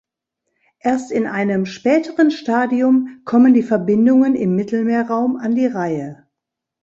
Erst in einem späteren Stadium kommen die Verbindungen im Mittelmeerraum an die Reihe.